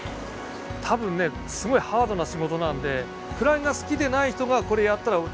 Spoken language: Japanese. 多分ねすごいハードな仕事なんでクラゲが好きでない人がこれやったら多分大変だと思う。